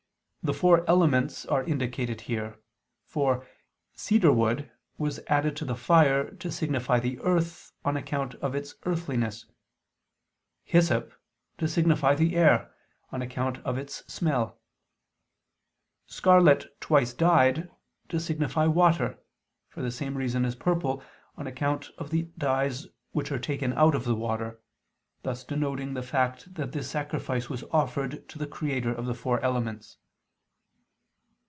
iii, 8, 9, 10), the four elements are indicated here: for "cedar wood" was added to the fire, to signify the earth, on account of its earthiness; "hyssop," to signify the air, on account of its smell; "scarlet twice dyed," to signify water, for the same reason as purple, on account of the dyes which are taken out of the water: thus denoting the fact that this sacrifice was offered to the Creator of the four elements.